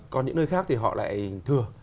còn những nơi khác thì họ lại thừa